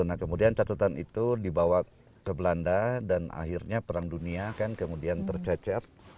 nah kemudian catatan itu dibawa ke belanda dan akhirnya perang dunia kan kemudian tercecer